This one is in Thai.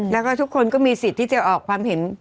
แล้วก็ทุกคนก็มีสิทธิ์ที่จะออกความเห็น